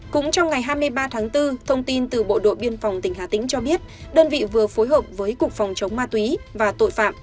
cũng trong ngày hai mươi ba tháng bốn thông tin từ bộ đội biên phòng tỉnh hà tĩnh cho biết đơn vị vừa phối hợp với cục phòng chống ma túy và tội phạm